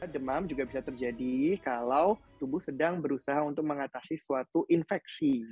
demam juga bisa terjadi kalau tubuh sedang berusaha untuk mengatasi suatu infeksi